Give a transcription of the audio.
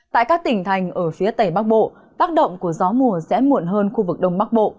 tại các tỉnh thành ở phía tầy bắc bộ tác động của gió mùa sẽ muộn hơn khu vực đông bắc bộ